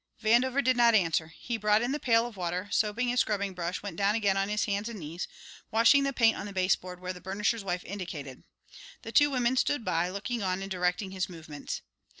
Vandover did not answer; he brought in the pail of water, and soaping his scrubbing brush, went down again on his hands and knees, washing the paint on the baseboard where the burnisher's wife indicated. The two women stood by, looking on and directing his movements.